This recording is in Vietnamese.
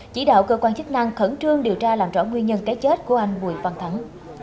chỉ đạo cơ quan chức năng khẩn trương điều tra làm rõ nguyên nhân cái chết của anh bùi văn thắng